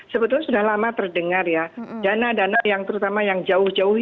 sebetulnya sudah lama terdengar ya dana dana yang terutama yang jauh jauh